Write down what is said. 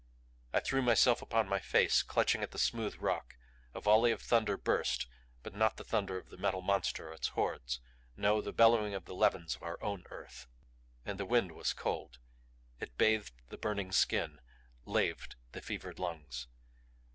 I threw myself upon my face, clutching at the smooth rock. A volley of thunder burst but not the thunder of the Metal Monster or its Hordes; no, the bellowing of the levins of our own earth. And the wind was cold; it bathed the burning skin; laved the fevered lungs.